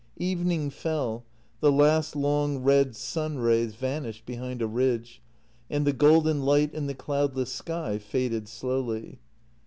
Evening fell, the last long red sunrays JENNY 123 vanished behind a ridge, and the golden light in the cloudless sky faded slowly.